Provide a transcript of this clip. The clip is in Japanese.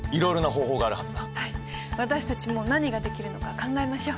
私たちも何ができるのか考えましょう。